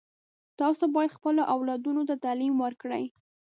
تاسو باید خپلو اولادونو ته تعلیم ورکړئ